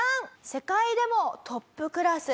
世界でもトップクラス。